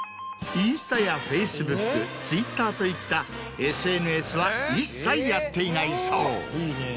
インスタやフェイスブックツイッターといったＳＮＳは一切やっていないそう。